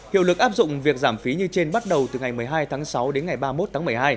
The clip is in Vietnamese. hiệu lực áp dụng việc giảm phí như trên bắt đầu từ ngày một mươi hai tháng sáu đến ngày ba mươi một tháng một mươi hai